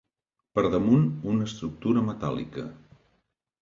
Per damunt, una estructura metàl·lica.